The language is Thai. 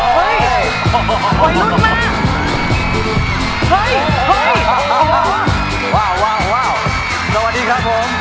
สวัสดีค่ะ